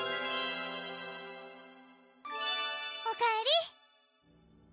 おかえり